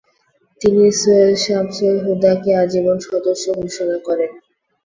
তিনি সৈয়দ শামসুল হুদা-কে আজীবন সদস্য ঘোষণা করেন।